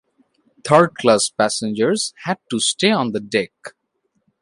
Third class passengers had to stay on the deck.